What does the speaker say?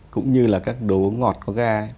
cũng như là các đồ uống ngọt có ra